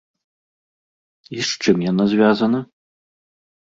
І з чым яна звязана?